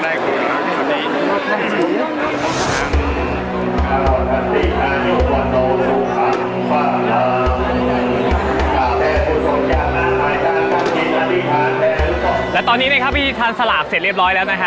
และตอนนี้นะครับพี่ทานสลากเสร็จเรียบร้อยแล้วนะฮะ